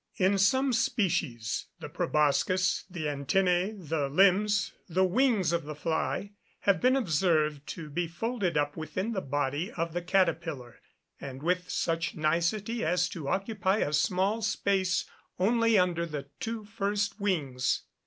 In some species, the proboscis, the antennæ, the limbs, and wings of the fly, have been observed to be folded up within the body of the caterpillar; and with such nicety as to occupy a small space only under the two first wings.